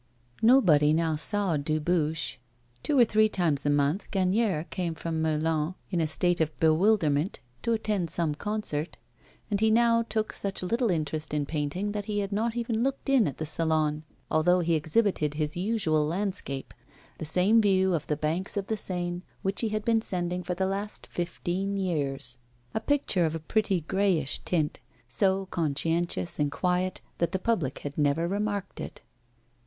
Nobody now saw Dubuche. Two or three times a month Gagnière came from Melun, in a state of bewilderment, to attend some concert; and he now took such little interest in painting that he had not even looked in at the Salon, although he exhibited his usual landscape, the same view of the banks of the Seine which he had been sending for the last fifteen years a picture of a pretty greyish tint, so conscientious and quiet that the public had never remarked it.